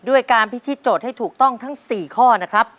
ด้วยการพิธีโจทย์ให้ถูกต้องทั้ง๔ข้อนะครับ